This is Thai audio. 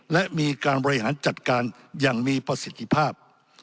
และมีการบริหารจัดการอย่างมีประสิทธิภาพ